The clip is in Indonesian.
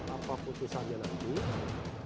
apakah kutipannya nanti